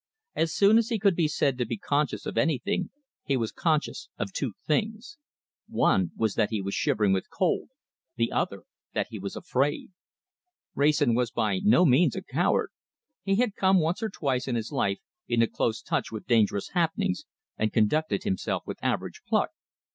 As soon as he could be said to be conscious of anything, he was conscious of two things. One was that he was shivering with cold, the other that he was afraid. Wrayson was by no means a coward. He had come once or twice in his life into close touch with dangerous happenings, and conducted himself with average pluck.